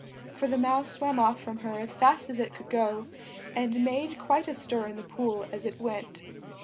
For the Mouse swam off from her as fast as it could go, and made quite a stir in the pool as it went.